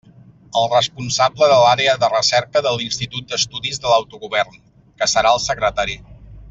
El responsable de l'Àrea de Recerca de l'Institut d'Estudis de l'Autogovern, que serà el secretari.